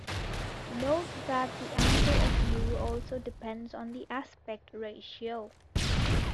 Note that the angle of view also depends on the aspect ratio.